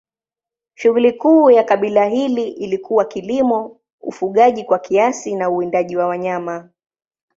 Shughuli kuu ya kabila hili ilikuwa kilimo, ufugaji kwa kiasi na uwindaji wa wanyama.